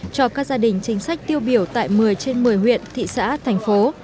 cho các gia đình chính sách tiêu biểu tại một mươi trên một mươi huyện thị xã thành phố